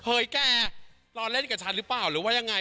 แกรอเล่นกับฉันหรือเปล่าหรือว่ายังไง